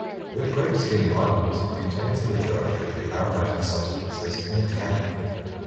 When grape skin ripens, it contains the majority of the aromatic substances and tannin.